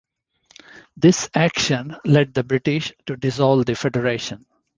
This action led the British to dissolve the Federation.